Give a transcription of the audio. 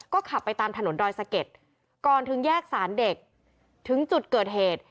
ก็ขับไปตามถนนดอยสะเก็ดก่อนถึงแยกสารเด็กถึงจุดเกิดเหตุ